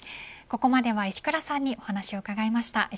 ここまでは石倉さんにお話を伺いました。